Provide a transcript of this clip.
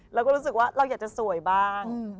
เราก็รู้สึกว่าเราอยากจะสวยบ้าง